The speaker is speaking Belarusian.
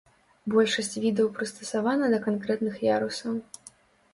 Большасць відаў прыстасавана да канкрэтных ярусаў.